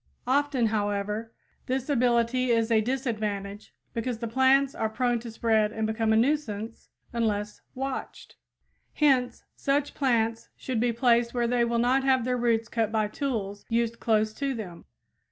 Often, however, this ability is a disadvantage, because the plants are prone to spread and become a nuisance unless watched. Hence such plants should be placed where they will not have their roots cut by tools used close to them.